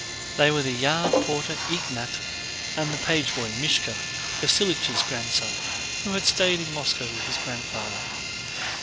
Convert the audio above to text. They were the yard porter Ignát, and the page boy Míshka, Vasílich's grandson who had stayed in Moscow with his grandfather.